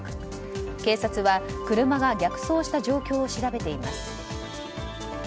警察は、車が逆走した状況を調べています。